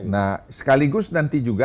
nah sekaligus nanti juga